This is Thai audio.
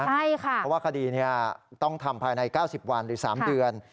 เพราะว่าคดีนี้ต้องทำภายใน๙๐วันหรือ๓เดือน